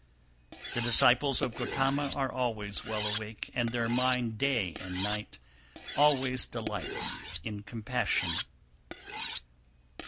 300. The disciples of Gotama are always well awake, and their mind day and night always delights in compassion.